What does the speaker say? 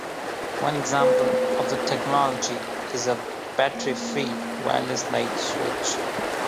One example of the technology is a battery-free wireless light switch.